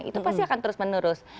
itu pasti akan terus menerus